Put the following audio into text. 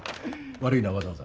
悪いなわざわざ。